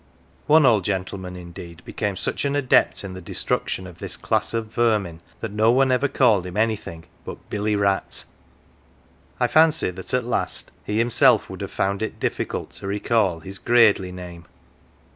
One old gentleman indeed became 179 ON THE OTHER SIDE such an adept in the destruction of this class of vermin that no one ever called him anything but " Billy Rat." I fancy that at last he himself would have found it difficult to recall his "gradely name."